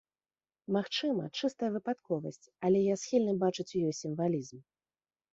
Магчыма, чыстая выпадковасць, але я схільны бачыць у ёй сімвалізм.